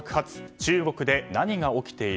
中国で何が起きている？